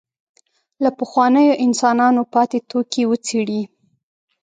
له پخوانیو انسانانو پاتې توکي وڅېړي.